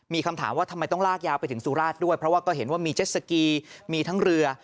มีคำถามว่าทำไมต้องลากยาวไปถึงสุราชด้วยเพราะว่าก็เห็นว่ามีเจ็ดสกีมีทั้งเรือ